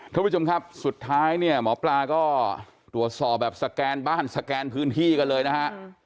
ทุกผู้ชมครับสุดท้ายเนี่ยหมอปลาก็ตรวจสอบแบบสแกนบ้านสแกนพื้นที่กันเลยนะฮะ